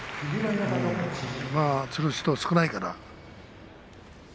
今、つる人は少ないから。